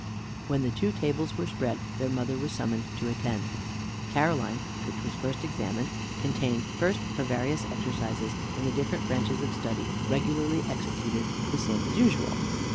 When the two tables were spread, their mother was summoned to attend. Caroline's, which was first examined, contained, first, her various exercises in the different branches of study, regularly executed the same as usual.